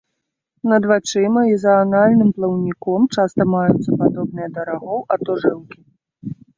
Над вачыма, і за анальным плаўніком часта маюцца падобныя да рагоў атожылкі.